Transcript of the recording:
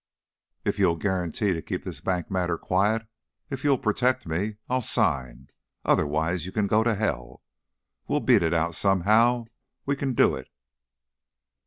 "If you'll guarantee to keep this bank matter quiet if you'll protect me, I'll sign. Otherwise, you can go to hell. We'll beat it out, somehow. We can do it."